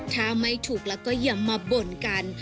ถ้าไม่ถูกแล้วก็อย่ามาบ่นกัน